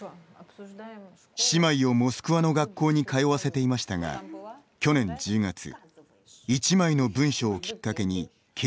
姉妹をモスクワの学校に通わせていましたが去年１０月一枚の文書をきっかけに警察に身柄を拘束されました。